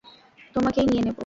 তোমাকেই নিয়ে নেবো।